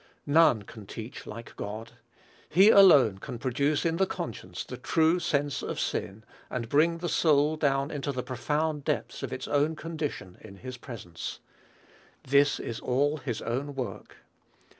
None can teach like God. He alone can produce in the conscience the true sense of sin, and bring the soul down into the profound depths of its own condition in his presence. This is all his own work.